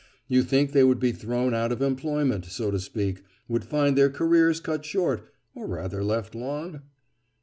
You think they would be thrown out of employment, so to speak—would find their careers cut short, or rather left long?